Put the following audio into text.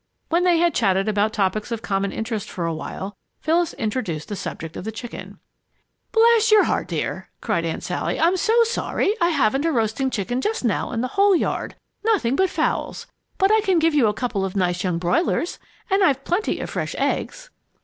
When they had chatted about topics of common interest for a while, Phyllis introduced the subject of the chicken. "Bless your heart, dear!" cried Aunt Sally. "I'm so sorry, but I haven't a roasting chicken just now in the whole yard nothing but fowls. But I can give you a couple of nice young broilers and I've plenty of fresh eggs."